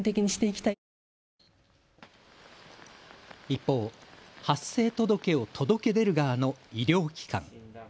一方、発生届を届け出る側の医療機関。